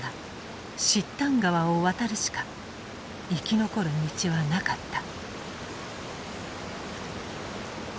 河を渡るしか生き残る道はなかった。